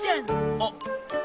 あっ！